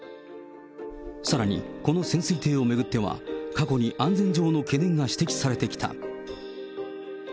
さらに、この潜水艇を巡っては、過去に安全上の懸念が指摘されてきた。